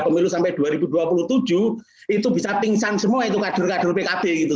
pemilu sampai dua ribu dua puluh tujuh itu bisa pingsan semua itu